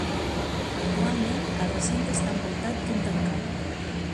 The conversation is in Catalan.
Actualment, el recinte està envoltat d'un tancat.